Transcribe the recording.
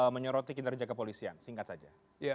menyoroti kinerja kepolisian singkat saja